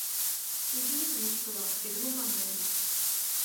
ベリーズの首都はベルモパンである